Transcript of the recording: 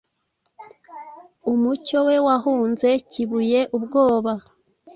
Umucyo we wahunze, Kibuye, ubwoba,